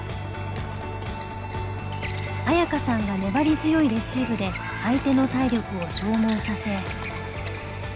紋可さんが粘り強いレシーブで相手の体力を消耗させ。